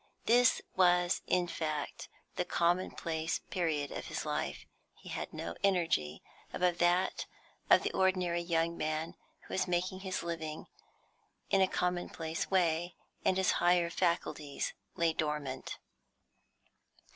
This was in fact the commonplace period of his life. He had no energy above that of the ordinary young man who is making his living in a commonplace way, and his higher faculties lay dormant.